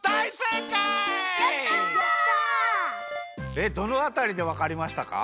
えっどのあたりでわかりましたか？